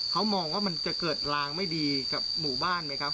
เขามองว่ามันจะเกิดรางไม่ดีกับหมู่บ้านไหมครับ